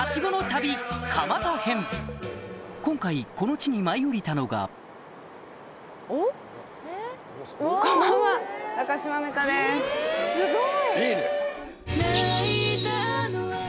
今回この地に舞い降りたのがすごい！いいね！